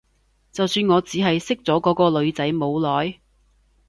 就算我只係識咗嗰個女仔冇耐